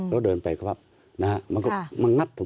แล้วเดินไปครับนะฮะมันก็มางัดผม